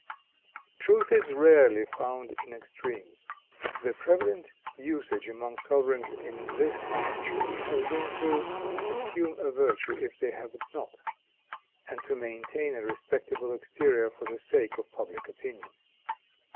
Truth is rarely found in extremes. The prevalent usage among sovereigns in this century has been "to assume a virtue if they have it not," and to maintain a respectable exterior for the sake of public opinion.